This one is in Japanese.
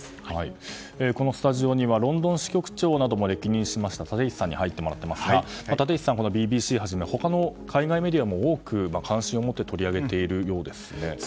このスタジオにはロンドン支局長なども歴任した立石さんに入っていただいていますが立石さん、ＢＢＣはじめ海外メディアも取り上げているようですね。